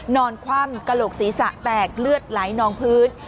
คว่ำกระโหลกศีรษะแตกเลือดไหลนองพื้น